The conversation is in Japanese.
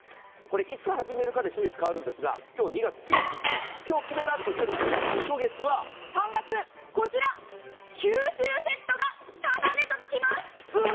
いつ始めるかで初月は変わるんですが、今日２月１１日、今日決めたとおっしゃる方は初月は、３月、九州セットがタダで届きます！